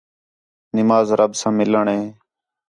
نماز رب ساں مِلّݨ ہِے